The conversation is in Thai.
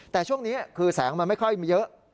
แต่ช่วงนี้คือแสงมันไม่ค่อยมีเยอะ